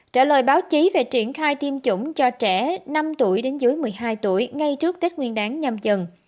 trả lời báo chí về triển khai tiêm chủng cho trẻ năm tuổi đến dưới một mươi hai tuổi ngay trước tết nguyên đáng nhầm